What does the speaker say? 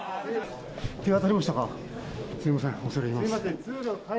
手当たりましたか、すみません、恐れ入りません。